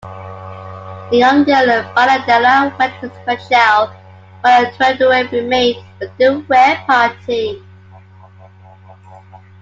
The young girl Ballandella went with Mitchell, while Turandurey remained with the rear party.